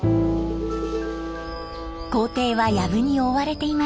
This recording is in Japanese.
校庭はやぶに覆われていました。